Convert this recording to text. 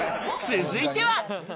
続いては。